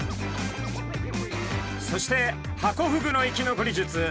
そしてハコフグの生き残り術